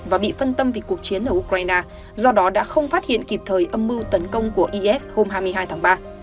và bị phân tâm vì cuộc chiến ở ukraine do đó đã không phát hiện kịp thời âm mưu tấn công của is hôm hai mươi hai tháng ba